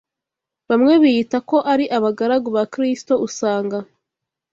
Bamwe biyita ko ari abagaragu ba Kristo usanga